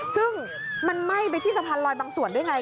ซึ่งมันไหม้ไปที่สะพานลอยบางส่วนด้วยไง